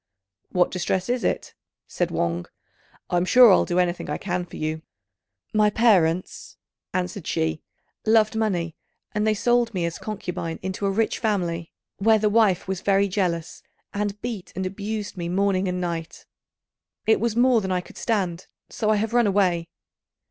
"What distress is it?" said Wang; "I'm sure I'll do anything I can for you." "My parents," answered she, "loved money, and they sold me as concubine into a rich family, where the wife was very jealous, and beat and abused me morning and night. It was more than I could stand, so I have run away."